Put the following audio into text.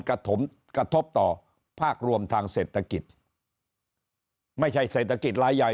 กระทบต่อภาครวมทางเศรษฐกิจไม่ใช่เศรษฐกิจรายใหญ่